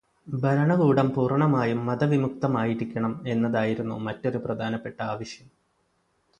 ഭരണകൂടം പൂര്ണമായും മതവിമുക്തമായിരിക്കണം എന്നതായിരുന്നു മറ്റൊരു പ്രധാനപ്പെട്ട ആവശ്യം.